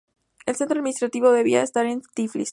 El centro administrativo debía estar en Tiflis.